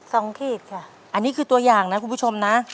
ขีดค่ะอันนี้คือตัวอย่างนะคุณผู้ชมนะ